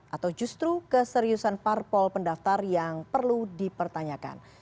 atau justru keseriusan parpol pendaftar yang perlu dipertanyakan